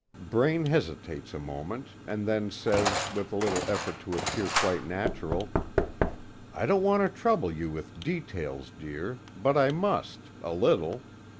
Braine hesitates a moment, and then says, with a little effort to appear quite natural: "I don't want to trouble you with details, dear, but I must, a little.